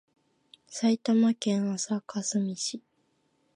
埼玉県朝霞市